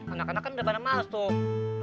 anak anak kan udah pada males tuh